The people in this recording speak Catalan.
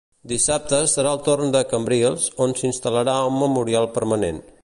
Dissabte serà el torn de Cambrils, on s'instal·larà un memorial permanent.